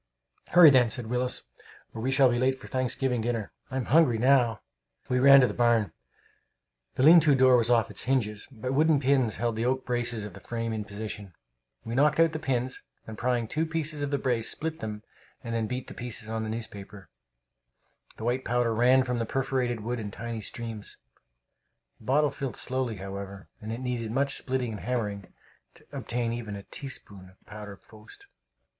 "Hurry, then," said Willis, "or we shall be late to Thanksgiving dinner! I'm hungry now!" We ran to the barn. The lean to door was off its hinges, but wooden pins held the oak braces of the frame in position. We knocked out the pins, and prying out two of the braces, split them, and then beat the pieces on the newspapers. The white powder ran from the perforated wood in tiny streams. The bottle filled slowly, however, and it needed much splitting and hammering to obtain even a teaspoonful of powder post.